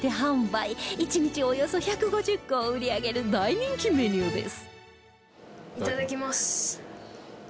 １日およそ１５０個を売り上げる大人気メニューです